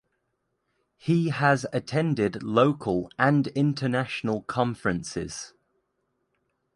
He has attended local and international conferences.